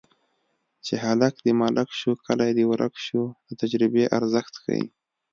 چې هلک دې ملک شو کلی دې ورک شو د تجربې ارزښت ښيي